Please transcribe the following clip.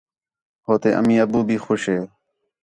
ہو تے امی، ابّو بھی خوش ہِے